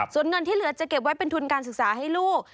ส่วนเงินที่เหลือจะเก็บไว้เป็นทุนการศึกษาให้ลูก